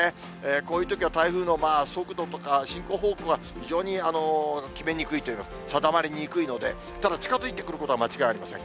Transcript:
こういうときは台風の速度とか進行方向が非常に決めにくいというか、定まりにくいので、ただ、近づいてくることは間違いありません。